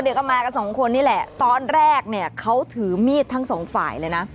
เดี๋ยวก็มากันสองคนนี่แหละตอนแรกเนี่ยเขาถือมีดทั้งสองฝ่ายเลยนะ